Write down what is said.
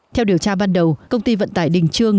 theo điều tra ban đầu công ty vận tải đình trương